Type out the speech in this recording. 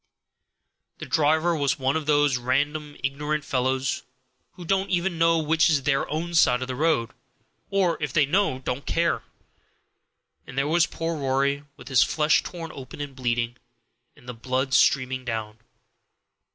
The driver was one of those random, ignorant fellows, who don't even know which is their own side of the road, or, if they know, don't care. And there was poor Rory with his flesh torn open and bleeding, and the blood streaming down.